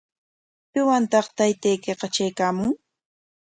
¿Piwantaq taytaykiqa traykaamun?